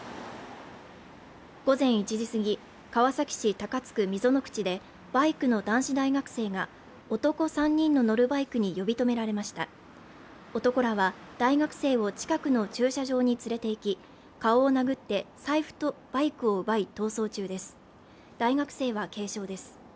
午前１時過ぎ川崎市高津区溝口でバイクの男子大学生が男３人の乗るバイクに呼び止められました男らは大学生を近くの駐車場に連れていき顔を殴って財布とバイクを奪い逃走中です大学生は軽傷です